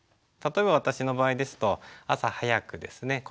例えば私の場合ですと朝早くですね